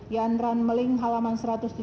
yanran meling halaman satu ratus tujuh puluh satu